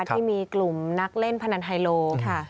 ที่มีกลุ่มนักเล่นพนันไฮโลค่ะ